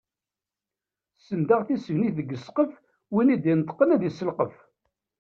Ssentaɣ tisegnit deg ssqef, win i d-ineṭqen ad isselqef.